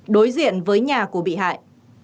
đối diện với nhà huyện đầm rơi